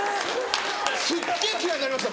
すっげぇ嫌いになりました